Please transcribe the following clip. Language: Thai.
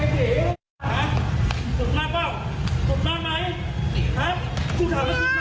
แค่เมียบหรอ